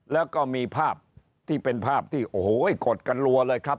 แล้วก็มีภาพที่เป็นภาพที่โอ้โหกดกันรัวเลยครับ